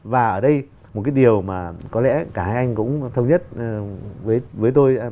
và ở đây một cái điều mà có lẽ cả hai anh cũng thông nhất với tôi